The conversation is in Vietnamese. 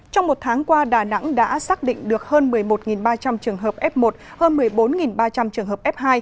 trong một tháng qua đà nẵng đã xác định được hơn một mươi một ba trăm linh trường hợp f một hơn một mươi bốn ba trăm linh trường hợp f hai